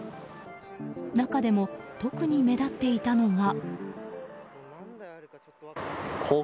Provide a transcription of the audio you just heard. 中でも、特に目立っていたのが。